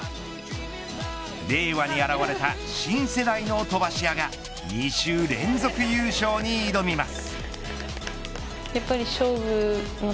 令和に現れた新世代の飛ばし屋が２週連続優勝に挑みます。